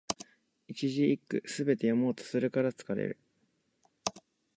一字一句、すべて読もうとするから疲れる